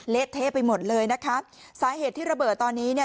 เละเทะไปหมดเลยนะคะสาเหตุที่ระเบิดตอนนี้เนี่ย